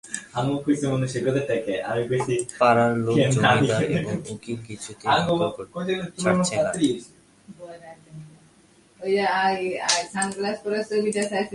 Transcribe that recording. পাড়ার লোক, জমিদার এবং উকিল কিছুতেই দখল ছাড়ে না।